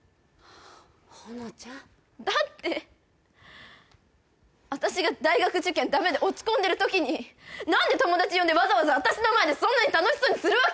ほのちゃんだって私が大学受験ダメで落ち込んでる時に何で友達呼んでわざわざ私の前でそんなに楽しそうにするわけ！？